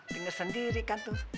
dengar sendiri kan tuh